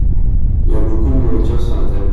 Il y a beaucoup de nourriture sur la table.